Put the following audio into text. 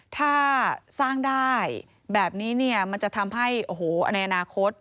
ถ้าสร้างได้แบบนี้มันจะทำให้ในอนาคต